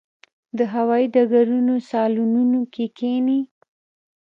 د هوايي ډګرونو صالونونو کې کښېني.